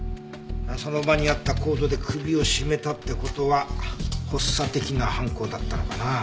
その場にあったコードで首を絞めたって事は発作的な犯行だったのかな？